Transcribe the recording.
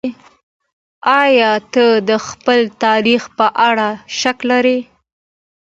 ايا ته د خپل تاريخ په اړه شک لرې؟